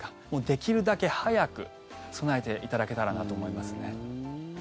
できるだけ早く備えていただけたらなと思いますね。